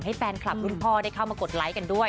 ให้แฟนคลับรุ่นพ่อได้เข้ามากดไลค์กันด้วย